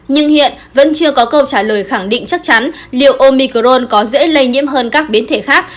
nhưng hiện vẫn chưa có câu trả lời khẳng định chắc chắn liệu omicron có dễ lây nhiễm hơn các biến thể khác